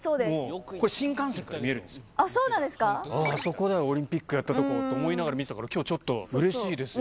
「あそこだよオリンピックやったとこ」と思いながら見てたから今日ちょっとうれしいですよ。